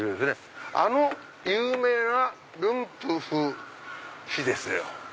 あの有名なルンプフ氏ですよ。